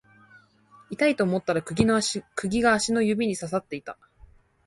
痛いと思ったら釘が足の指に刺さっていた